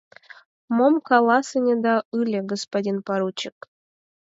— Мом каласынеда ыле, господин поручик?